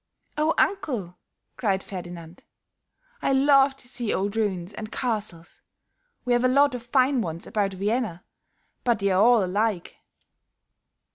"Oh, uncle," cried Ferdinand, "I love to see old ruins and castles. We have a lot of fine ones about Vienna, but they are all alike."